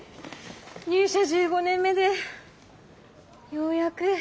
入社１５年目でようやく。